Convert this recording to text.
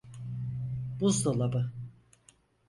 Buzdolabı…